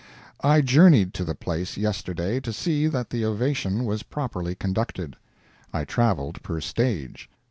I journeyed to the place yesterday to see that the ovation was properly conducted. I traveled per stage.